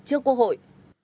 trước quốc hội